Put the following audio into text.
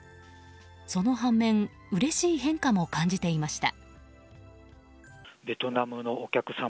その反面、うれしい変化も感じていました。